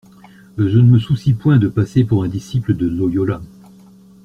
Je ne me soucie point de passer pour un disciple de Loyola.